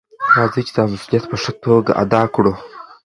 راځئ چې دا مسؤلیت په ښه توګه ادا کړو.